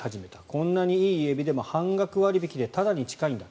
こんなにいいエビでも半額割引でタダに近いんだ。